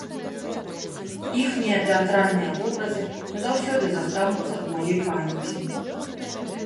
Іхнія тэатральныя вобразы назаўсёды застануцца ў маёй памяці.